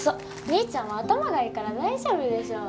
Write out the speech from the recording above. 兄ちゃんは頭がいいから大丈夫でしょ。